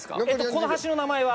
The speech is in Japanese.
この橋の名前は？